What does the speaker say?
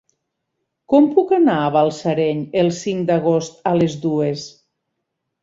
Com puc anar a Balsareny el cinc d'agost a les dues?